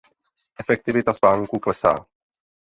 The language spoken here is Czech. Efektivita spánku klesá.